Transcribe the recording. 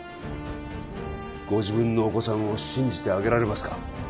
ご自分のお子さんを信じてあげられますか？